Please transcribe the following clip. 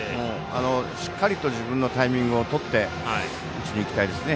しっかりと自分のタイミングをとって打ちにいきたいですね。